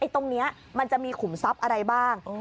ตรงนี้มันจะมีขุมทรัพย์อะไรบ้าง